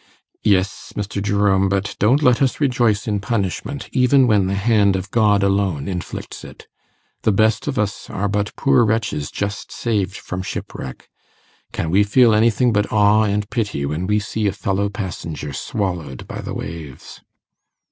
'Yes, Mr. Jerome; but don't let us rejoice in punishment, even when the hand of God alone inflicts it. The best of us are but poor wretches just saved from shipwreck: can we feel anything but awe and pity when we see a fellow passenger swallowed by the waves?